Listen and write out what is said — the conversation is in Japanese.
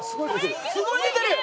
すごい出てる！